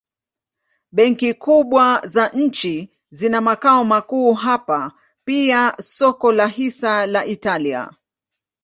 Benki kubwa za nchi zina makao makuu hapa pia soko la hisa la Italia.